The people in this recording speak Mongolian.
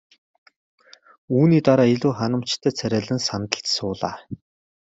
Үүний дараа илүү ханамжтай царайлан сандалд суулаа.